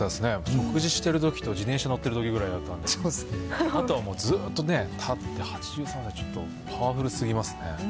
食事してるときと、自転車乗ってるときぐらいだったんで、あとはもうずっとね、立って、８３歳、ちょっとパワフルすぎますね。